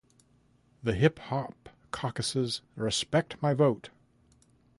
The Hip Hop Caucus' Respect My Vote!